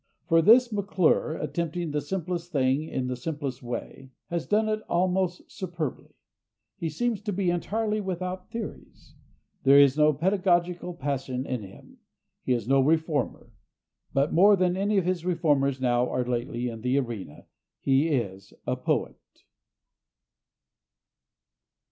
For this McClure, attempting the simplest thing in the simplest way, has done it almost superbly. He seems to be entirely without theories. There is no pedagogical passion in him. He is no reformer. But more than any of the reformers now or lately in the arena, he is a poet.